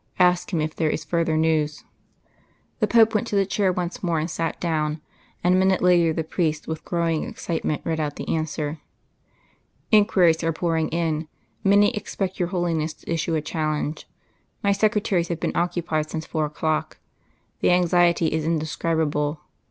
Ask him if there is further news." The Pope went to the chair once more and sat down, and a minute later the priest, with growing excitement, read out the answer. "'Inquiries are pouring in. Many expect your Holiness to issue a challenge. My secretaries have been occupied since four o'clock. The anxiety is indescribable.